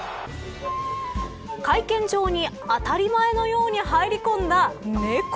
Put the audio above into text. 会見場に当たり前のように入り込んだ猫。